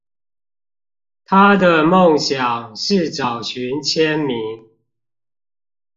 她的夢想是找尋簽名